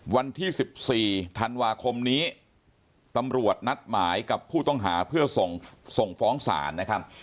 วันที่๑๔ธันวาคมนี้ตำรวจนัดหมายกับผู้ต้องหาเพื่อส่งฟ้องศาลนะครับ